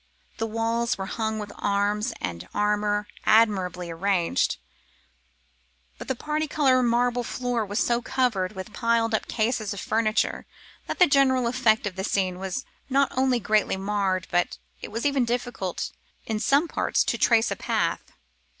The walls were hung with arms and armour admirably arranged; but the parti coloured marble floor was so covered with piled up cases of furniture that the general effect of the scene, was not only greatly marred, but it was even difficult in some parts to trace a path.